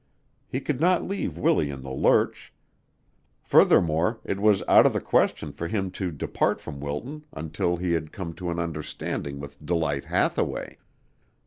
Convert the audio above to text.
He could not leave Willie in the lurch. Furthermore, it was out of the question for him to depart from Wilton until he had come to an understanding with Delight Hathaway.